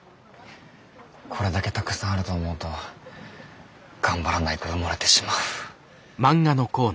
これだけたくさんあると思うと頑張らないと埋もれてしまう。